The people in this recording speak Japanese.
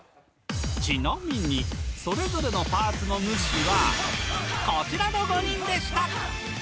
ちなみにそれぞれのパーツの主はこちらの５人でした！